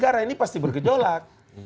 karena ini pasti bergejolak